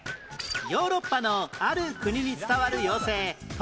ヨーロッパのある国に伝わる妖精トントゥ